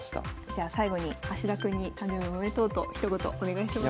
じゃあ最後に田君に誕生日おめでとうとひと言お願いします。